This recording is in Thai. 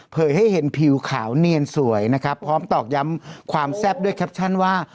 ให้เห็นผิวขาวเนียนสวยนะครับพร้อมตอกย้ำความแซ่บด้วยแคปชั่นว่า